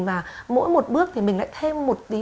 và mỗi một bước thì mình lại thêm một tí